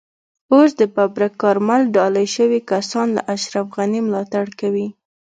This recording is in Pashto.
اوس د ببرک کارمل ډالۍ شوي کسان له اشرف غني ملاتړ کوي.